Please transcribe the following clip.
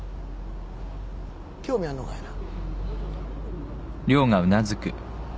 興味あんのかいな？